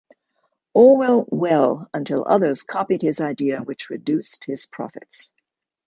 All went well until others copied his idea, which reduced his profits.